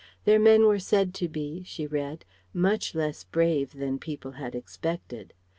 Their men were said to be she read much less brave than people had expected.